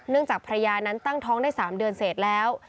จากภรรยานั้นตั้งท้องได้๓เดือนเสร็จแล้ว